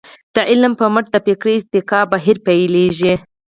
د علم په مټ د فکري ارتقاء بهير پيلېږي.